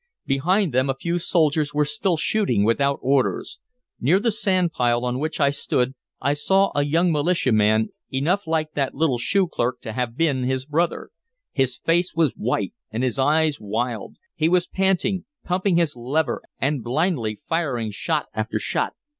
Behind them a few soldiers were still shooting without orders. Near the sand pile on which I stood I saw a young militia man enough like that little shoe clerk to have been his brother. His face was white and his eyes wild, he was panting, pumping his lever and blindly firing shot after shot.